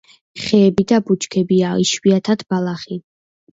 ხეები და ბუჩქებია, იშვიათად ბალახი.